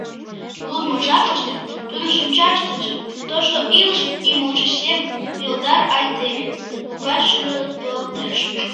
Лудмо жапыште тудын шинчаштыже, тошто илышын ӱмылжӧ семын, пелодар айдеме — Лукаш сӱретлалтеш.